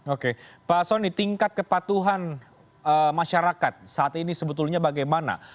oke pak soni tingkat kepatuhan masyarakat saat ini sebetulnya bagaimana